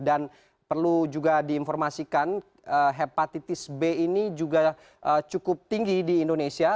dan perlu juga diinformasikan hepatitis b ini juga cukup tinggi di indonesia